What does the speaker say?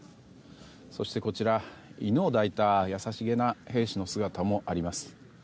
そして、犬を抱いた優しげな兵士の姿もあります。